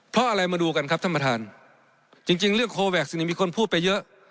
เพราะอะไรมาดูกันครับท่านประธานจริงจริงเรื่องโคแว็กซเนี่ยมีคนพูดไปเยอะ